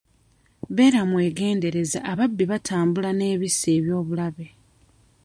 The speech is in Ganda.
Beera mwegendereze ababbi batambula n'ebissi eb'obulabe.